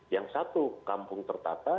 yang satu kampung tertata